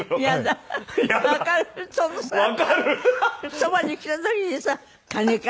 そばに来た時にさ「金か？」